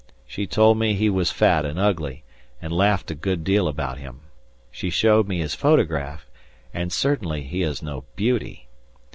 She told me he was fat and ugly, and laughed a good deal about him. She showed me his photograph, and certainly he is no beauty.